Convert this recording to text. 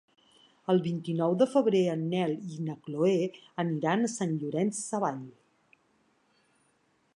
El vint-i-nou de febrer en Nel i na Chloé aniran a Sant Llorenç Savall.